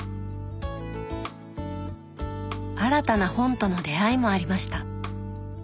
新たな本との出会いもありました。